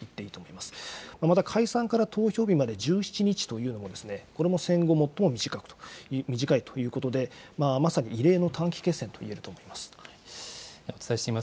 また、解散から投票日まで１７日というのも、これも戦後最も短いということで、まさに異例の短期決戦と言えると思います。